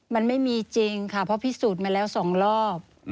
มันไม่มีจริงค่ะเพราะพิสูจน์มาแล้ว๒รอบ